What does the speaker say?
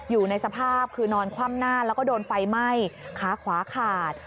อยู่ในสภาพคือนอนคว่ำหน้าแล้วก็โดนไฟไหม้ขาขวาขาด